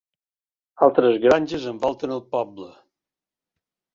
Altres granges envolten el poble.